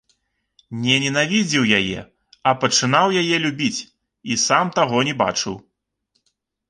Не ненавідзеў яе, а пачынаў яе любіць і сам таго не бачыў.